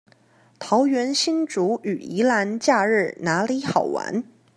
桃園新竹與宜蘭假日哪裡好玩